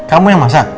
kamu yang masak